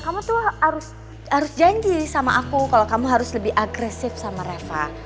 kamu tuh harus janji sama aku kalau kamu harus lebih agresif sama reva